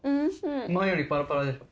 前よりパラパラでしょ。